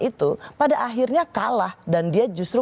itu pada akhirnya kalah dan dia justru